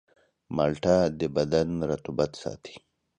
مالټه د بدن رطوبت ساتي.